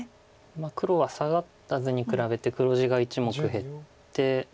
黒はサガった図に比べて黒地が１目減って。